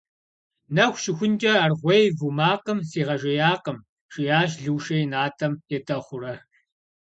- Нэху щыхункӏэ аргъуей ву макъым сигъэжеякъым, - жиӏащ Лушэ и натӏэм етӏэхъуурэ.